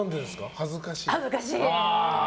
恥ずかしい。